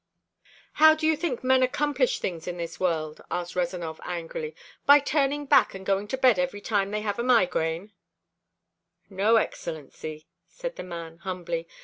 "How do you think men accomplish things in this world?" asked Rezanov angrily. "By turning back and going to bed every time they have a migraine?" "No, Excellency," said the man humbly.